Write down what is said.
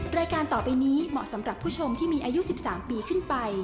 รายการต่อไปนี้เหมาะสำหรับผู้ชมที่มีอายุ๑๓ปีขึ้นไป